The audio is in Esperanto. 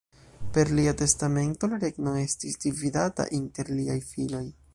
Per lia testamento la regno estis dividata inter liaj filoj.